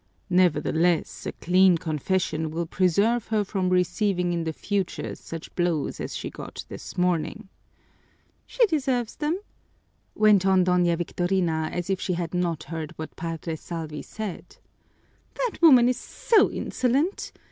"Nevertheless, a clean confession will preserve her from receiving in the future such blows as she got this morning." "She deserves them!" went on Doña Victorina as if she had not heard what Padre Salvi said. "That woman is so insolent!